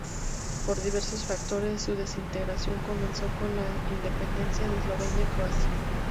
Por diversos factores, su desintegración comenzó con la independencia de Eslovenia y Croacia.